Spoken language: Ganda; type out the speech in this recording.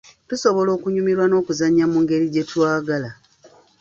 Tusobola okunyumirwa n'okuzannya mu ngeri gye twagala.